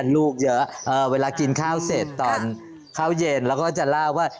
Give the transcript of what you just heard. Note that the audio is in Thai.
อ้อแล้วท้อบเป็นฟัง